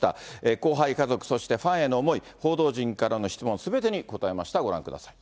後輩、家族、そしてファンへの思い、報道陣からの質問、すべてに答えました。